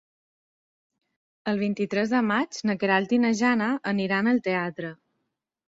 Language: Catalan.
El vint-i-tres de maig na Queralt i na Jana aniran al teatre.